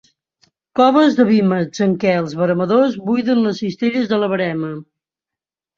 Coves de vímets en què els veremadors buiden les cistelles de la verema.